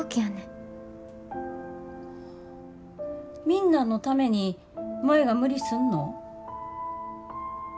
みんなのために舞が無理すんの？